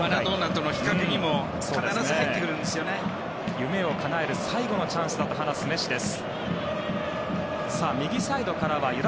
夢をかなえる最後のチャンスだと話すメッシです。